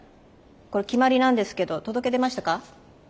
これ決まりなんですけど届け出ましたか？